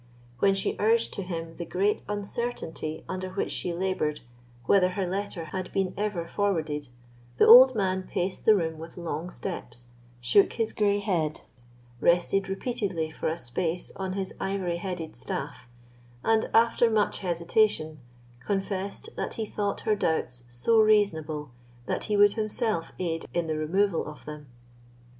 When she urged to him the great uncertainty under which she laboured whether her letter had been ever forwarded, the old man paced the room with long steps, shook his grey head, rested repeatedly for a space on his ivory headed staff, and, after much hesitation, confessed that he thought her doubts so reasonable that he would himself aid in the removal of them.